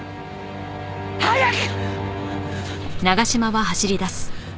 早く！